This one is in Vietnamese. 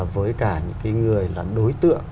với cả những cái người là đối tượng